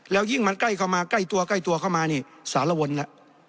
แล้วยิ่งมันใกล้เข้ามาใกล้ตัวเข้ามาเนี่ยสารวนละ